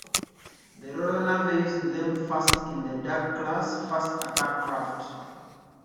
The Royal Navy used them first in the Dark class fast attack craft.